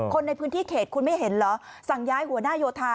คนในพื้นที่เขตคุณไม่เห็นเหรอสั่งย้ายหัวหน้าโยธา